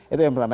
itu yang pertama